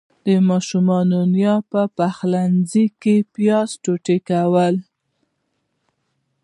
د ماشومانو نيا په پخلنځي کې پياز ټوټه کول.